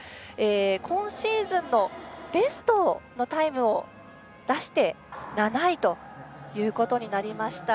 今シーズンのベストのタイムを出して７位ということになりました。